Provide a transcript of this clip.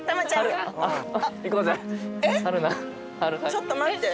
ちょっと待って。